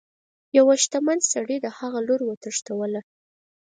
یوه شتمن سړي د هغه لور وتښتوله.